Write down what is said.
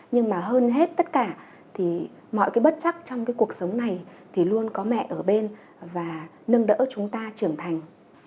nhưng mà hơn hết tất cả thì mọi cái bất chắc trong cái cuộc sống này thì luôn có mẹ ở bên và nâng đỡ chúng ta trưởng thành